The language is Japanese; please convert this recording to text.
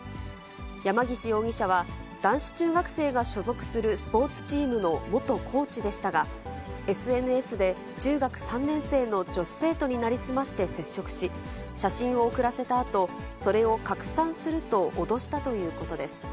山岸容疑者は、男子中学生が所属するスポーツチームの元コーチでしたが、ＳＮＳで中学３年生の女子生徒に成り済まして接触し、写真を送らせたあと、それを拡散すると脅したということです。